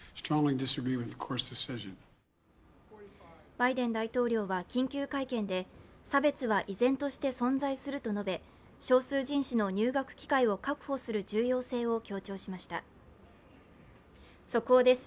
バイデン大統領は緊急会見で、差別は依然として存在すると述べ少数人種の入学機会を確保する重要性を強調しました速報です。